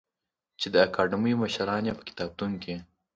چې د اکاډمۍ مشران یې په کتابتون کې